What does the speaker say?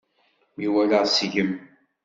Mi waleɣ seg-m.